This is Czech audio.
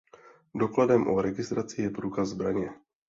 Dokladem o registraci je průkaz zbraně.